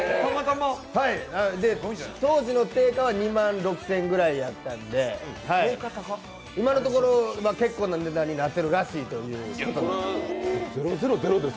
当時の定価は２万６０００円ぐらいだったんで今のところ、結構な値段になってるらしいっていう。